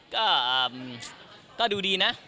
ก็ดูดีนะ